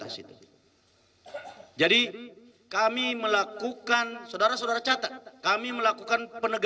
standing kami disini